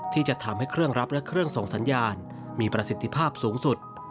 ที่จะทำให้เครื่องรับและเครื่องส่งสัญญาณมีประสิทธิภาพสูงสุด